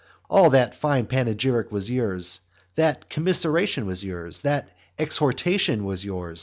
All that fine panegyric was yours, that commiseration was yours, that exhortation was yours.